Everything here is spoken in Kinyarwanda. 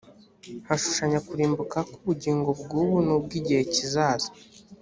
hashushanya kurimbuka k ubugingo bw ubu n ubw igihe kizaza